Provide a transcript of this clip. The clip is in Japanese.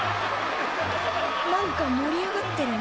なんか盛り上がってるね。